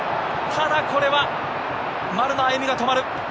ただこれは丸の歩みが止まる。